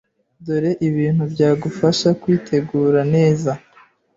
dore ibintu byagufasha kwitegura neza